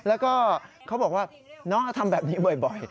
แล้วก็เขาบอกว่าน้องทำแบบนี้บ่อย